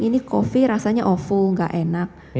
ini kopi rasanya ofu gak enak